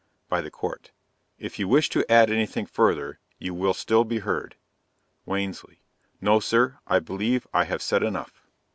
By the Court. If you wish to add any thing further you will still be heard. Wansley. No sir, I believe I have said enough.